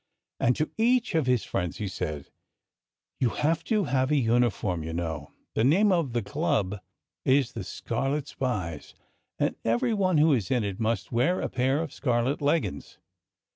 And to each of his friends he said: "You have to have a uniform, you know.... The name of the club is The Scarlet Spies. And everyone who is in it must wear a pair of scarlet leggins."